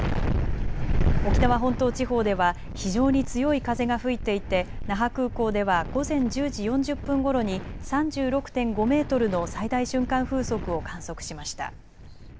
沖縄本島地方では非常に強い風が吹いていて那覇空港では午前１０時４０分ごろに３６．５メートルの最大瞬間風速を観測しました。